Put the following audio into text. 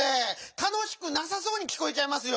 たのしくなさそうにきこえちゃいますよぉ！